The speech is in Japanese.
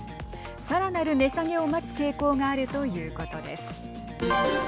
さらなる値下げを待つ傾向があるということです。